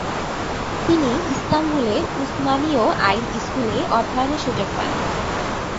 তিনি ইস্তানবুলের উসমানীয় আইন স্কুলে অধ্যয়নের সুযোগ পান।